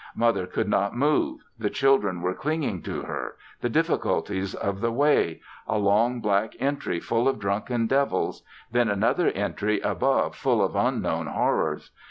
Mother could not move; the children were clinging to her; the difficulties of the way; a long black entry full of drunken devils; then another entry above full of unknown horrors.